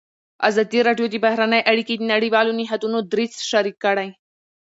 ازادي راډیو د بهرنۍ اړیکې د نړیوالو نهادونو دریځ شریک کړی.